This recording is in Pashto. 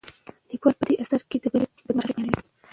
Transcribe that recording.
لیکوال په دې اثر کې د جګړې بدمرغۍ بیانوي.